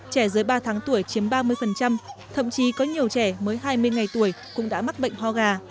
trẻ dưới ba tháng tuổi chiếm ba mươi thậm chí có nhiều trẻ mới hai mươi ngày tuổi cũng đã mắc bệnh ho gà